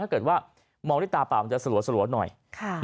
ถ้าเกิดว่ามองที่ตาเปล่ามันจะสลัวสลัวหน่อยค่ะ